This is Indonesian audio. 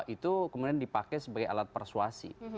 itu kemudian dipakai sebagai alat persuasi